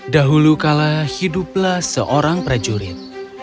dahulu kala hiduplah seorang prajurit